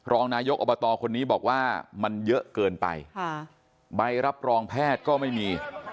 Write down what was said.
รองนายกอบตคนนี้บอกว่ามันเยอะเกินไปใบรับรองแพทย์ก็ไม่มี